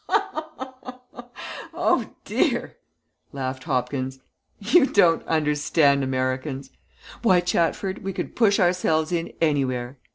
"Oh, dear!" laughed Hopkins. "You don't understand Americans. Why, Chatford, we can push ourselves in anywhere.